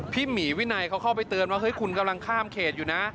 หมีวินัยเขาเข้าไปเตือนว่าเฮ้ยคุณกำลังข้ามเขตอยู่นะ